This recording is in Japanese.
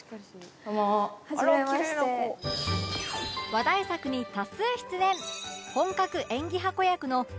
話題作に多数出演